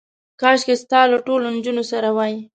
کاشکې ستا له ټولو نجونو سره وای.